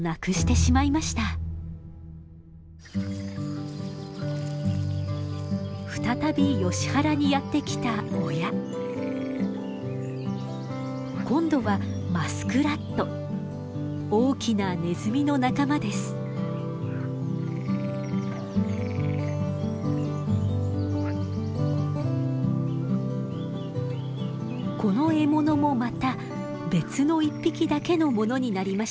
この獲物もまた別の１匹だけのものになりました。